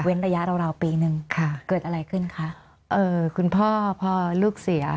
ระยะราวราวปีนึงค่ะเกิดอะไรขึ้นคะเอ่อคุณพ่อพอลูกเสีย